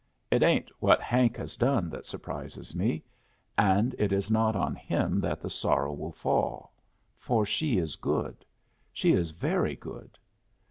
It ain't what Hank has done that surprises me. And it is not on him that the sorrow will fall. For she is good. She is very good.